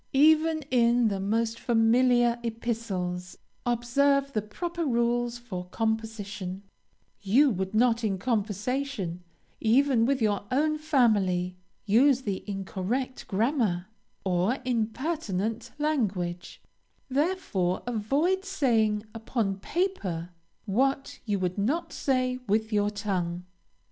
Even in the most familiar epistles, observe the proper rules for composition; you would not in conversing, even with your own family, use incorrect grammar, or impertinent language; therefore avoid saying upon paper what you would not say with your tongue.